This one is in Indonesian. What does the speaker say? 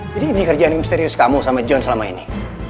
jadi ini kerjaan misterius kamu sama john selama ini